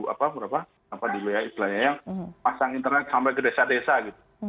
apa berapa apa dulu ya istilahnya yang pasang internet sampai ke desa desa gitu